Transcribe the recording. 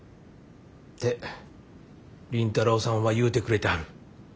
って凛太朗さんは言うてくれてはる。